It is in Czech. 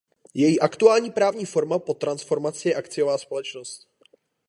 Její aktuální právní forma po transformaci je akciová společnost.